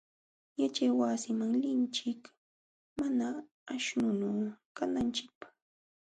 Yaćhaywasin linchik mana aśhnunu kananchikpaq.